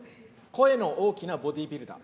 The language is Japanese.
声の大きなボディービルダー。